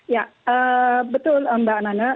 ya betul mbak nana